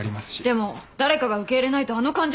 でも誰かが受け入れないとあの患者さんは。